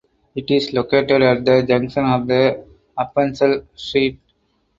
It is located at the junction of the Appenzell–St.